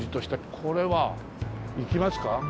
これは行きますか？